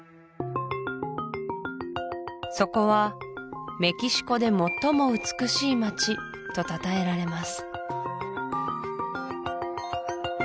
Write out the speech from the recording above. そこはメキシコで最も美しい街とたたえられます